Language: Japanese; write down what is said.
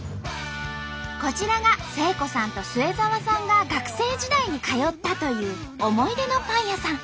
こちらが誠子さんと末澤さんが学生時代に通ったという思い出のパン屋さん。